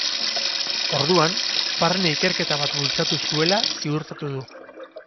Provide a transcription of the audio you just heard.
Orduan, barne ikerketa bat bultzatu zuela ziurtatu du.